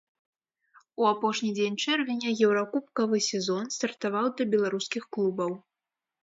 У апошні дзень чэрвеня еўракубкавы сезон стартаваў для беларускіх клубаў.